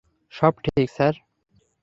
সব ঠিক, স্যার।